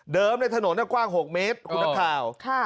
เดิมในถนนกว้าง๖เมตรคุณท่าข่าว